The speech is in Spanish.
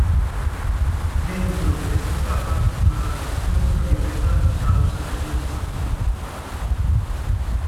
Dentro de esta capa, la radiación ultravioleta causa la ionización.